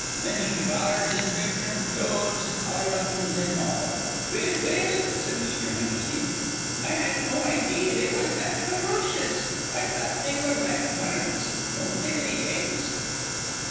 Thin he devours his victim, clothes, collar buttons, an' all." "Well, well," said Mr. Hennessy. "I had no idee they was that ferocious. I thought they were like bur rds. Don't they lay eggs?"